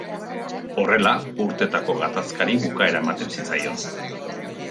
Horrela, urtetako gatazkari bukaera ematen zitzaion.